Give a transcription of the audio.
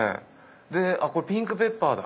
これピンクペッパーだ。